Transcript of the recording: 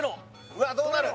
うわどうなる？